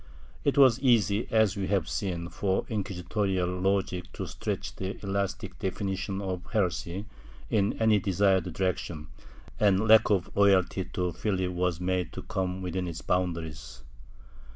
^ It was easy, as we have seen, for incjuisitorial logic to stretch the elastic definition of heresy in any desired direction, and lack of loyalty to Philip was made to come within its boundaries.